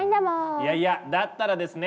いやいやだったらですね